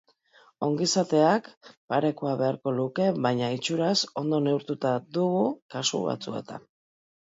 Ongizateak parekoa beharko luke, baina itxuraz ondo neurtuta dugu kasu batzuetan.